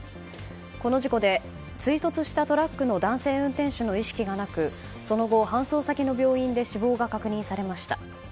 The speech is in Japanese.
この事故で追突したトラックの男性運転手の意識がなくその後、搬送先の病院で死亡が確認されました。